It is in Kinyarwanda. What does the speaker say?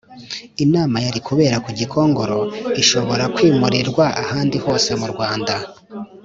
Inama yari kubera ku Gikongoro ishobora kwimurirwa ahandi hose mu Rwanda